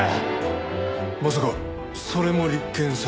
まさかそれも立件されずに？